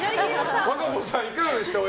和歌子さん、いかがでした？